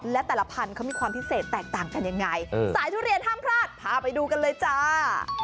และแต่ละพันธุ์เขามีความพิเศษแตกต่างกันยังไงสายทุเรียนห้ามพลาดพาไปดูกันเลยจ้า